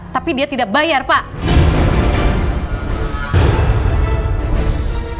tapi dia tidak bayar pak